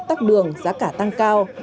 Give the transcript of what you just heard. tắt đường giá cả tăng cao